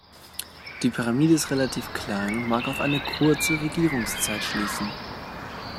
Die Pyramide ist relativ klein und mag auf eine kurze Regierungszeit schließen.